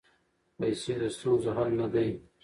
پیسې د ستونزو حل نه دی.